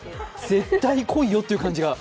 絶対来いよという感じが。